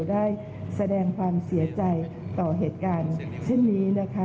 ได้แสดงความเสียใจต่อเหตุการณ์เช่นนี้นะคะ